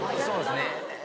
そうですね